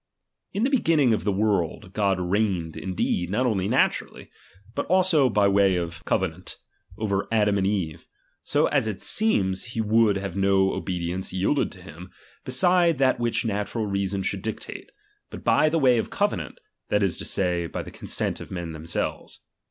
In the beginning of the world God reigned By iii« . "vb indeed, not only naturally, but also hy way o/'Go, iaudAa™ 228 RELIGION. . covenant, over Adam and Eve ; so as it seems he would have no obedience yielded to him, beside that which natural reason should dictate, but by the watj of covenant, that is to say, by the consent of men themselves.